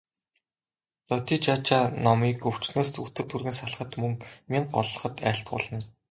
Додижажаа номыг өвчнөөс үтэр түргэн салахад, мөн мэнгэ голлоход айлтгуулна.